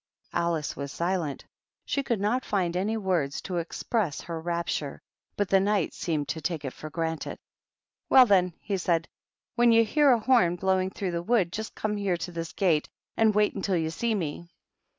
Alice was silent. She could not find any words to express her rapture, but the Knight seemed to take it for granted. " Well, then," he said, " when you hear a horn blowing through the wood, just come here to this gate and wait until you see me."